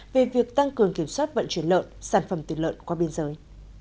về việc tăng cường kiểm soát vận chuyển lợn sản phẩm tiền lợn qua biên giới